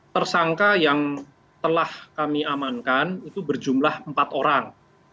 tersangka yang telah kami amankan itu berjumlah empat orang